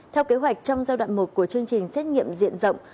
theo kế hoạch trong giai đoạn một của chương trình xét nghiệm diện rộng